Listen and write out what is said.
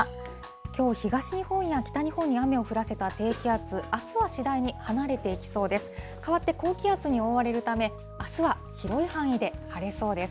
きょう、東日本や北日本に雨を降らせた低気圧、あすは次第に離れていきそうです。